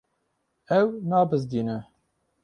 Ew nabizdîne.